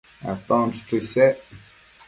Aton chuchu isec